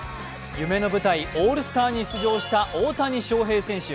夢の舞台オールスターに出場した大谷翔平選手。